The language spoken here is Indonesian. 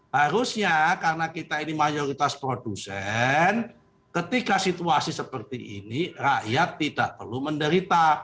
harusnya karena kita ini mayoritas produsen ketika situasi seperti ini rakyat tidak perlu menderita